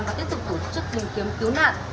và tiếp tục tổ chức kiếm kiếm cứu nạn